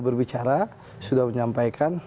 berbicara sudah menyampaikan